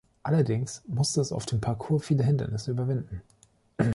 Allerdings musste es auf dem Parcours viele Hindernisse überwinden.